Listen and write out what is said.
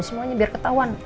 semuanya biar ketahuan